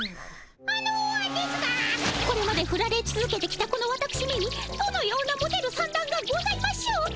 あのですがこれまでフラれつづけてきたこのわたくしめにどのようなモテる算段がございましょうか？